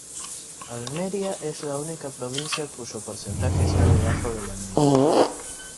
Almería es la única provincia cuyo porcentaje está debajo de la media